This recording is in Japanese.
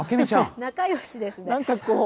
仲よしですね。